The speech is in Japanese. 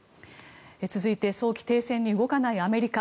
続いて早期停戦に動かないアメリカ。